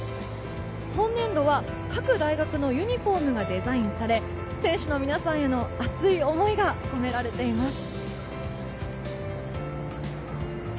本年度は各大学のユニホームがデザインされ選手の皆さんへの熱い思いが込められています。